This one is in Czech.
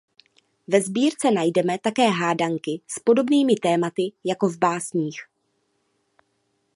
Ve sbírce najdeme také hádanky s podobnými tématy jako v básních.